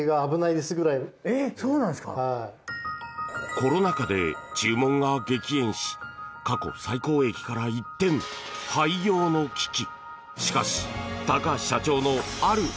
コロナ禍で注文が激減し過去最高益から一転廃業の危機！